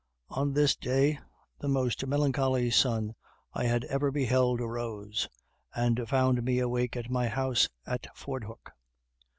On this day the most melancholy sun I had ever beheld arose, and found me awake at my house at Fordhook.